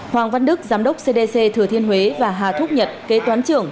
hoàng văn đức giám đốc cdc thừa thiên huế và hà thúc nhật kế toán trưởng